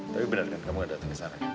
tapi bener kan kamu gak datang ke sini